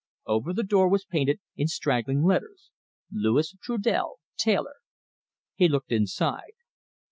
Over the door was painted, in straggling letters: "Louis Trudel, Tailor." He looked inside.